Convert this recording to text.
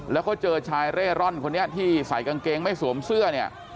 แล้วก็เจอชายเร่ร่อนคนนี้ที่ใส่กางเกงไม่สวมเสื้อเนี่ย